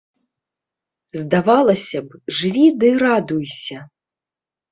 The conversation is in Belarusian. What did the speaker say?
Здавалася б, жыві ды радуйся.